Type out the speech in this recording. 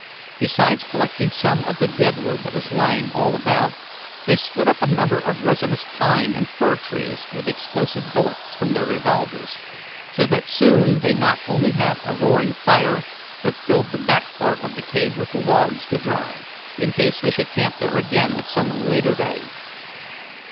Besides collecting some of the dead wood that was lying all about, they split up a number of resinous pine and fir trees with explosive bullets from their revolvers, so that soon they not only had a roaring fire, but filled the back part of the cave with logs to dry, in case they should camp there again at some later day.